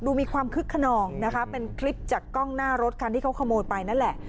มีความคึกขนองนะคะเป็นคลิปจากกล้องหน้ารถคันที่เขาขโมยไปนั่นแหละ